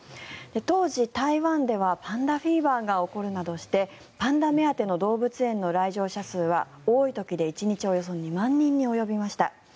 当時、台湾ではパンダフィーバーが起こるなどしてパンダ目当ての動物園の来場者数は多い時で１日およそ２万人に及びました。